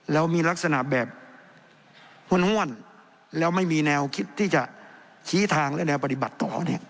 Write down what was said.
แล้วมีลักษณะแบบห้วนแล้วไม่มีแนวคิดที่จะชี้ทางและแนวปฏิบัติต่อ